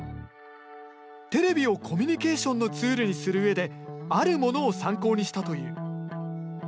テレビをコミュニケーションのツールにする上であるものを参考にしたという。